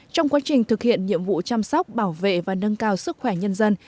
trong quá trình thực hiện nhiệm vụ chăm sóc bảo vệ và nâng cao sức khỏe nhân dân